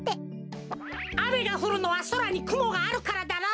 あめがふるのはそらにくもがあるからだろ！